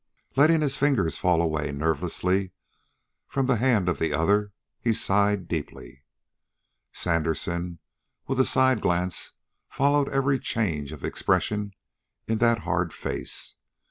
Letting his fingers fall away nervelessly from the hand of the other, he sighed deeply. Sandersen with a side glance followed every changing shade of expression in that hard face.